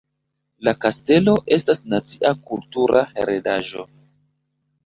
La kastelo estas nacia kultura heredaĵo.